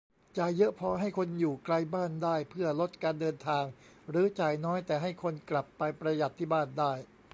จ่ายเยอะพอให้คนอยู่ไกลบ้านได้เพื่อลดการเดินทาง หรือ จ่ายน้อยแต่ให้คนกลับไปประหยัดที่บ้านได้